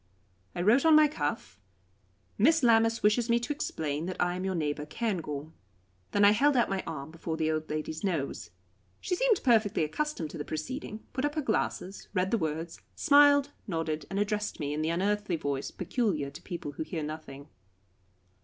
I wrote on my cuff: "Miss Lammas wishes me to explain that I am your neighbour, Cairngorm." Then I held out my arm before the old lady's nose. She seemed perfectly accustomed to the proceeding, put up her glasses, read the words, smiled, nodded, and addressed me in the unearthly voice peculiar to people who hear nothing.